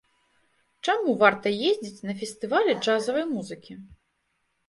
Чаму варта ездзіць на фестывалі джазавай музыкі?